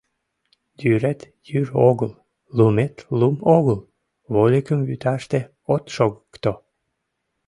Йӱрет йӱр огыл, лумет лум огыл — вольыкым вӱташте от шогыкто.